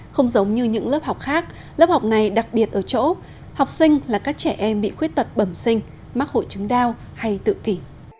không giống như những lớp học khác lớp học này đặc biệt ở chỗ học sinh là các trẻ em bị khuyết tật bẩm sinh mắc hội chứng đau hay tự kỷ